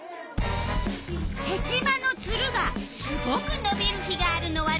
ヘチマのツルがすごくのびる日があるのはどうしてか。